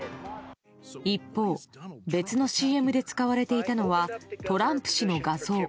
一方、別のＣＭで使われていたのはトランプ氏の画像。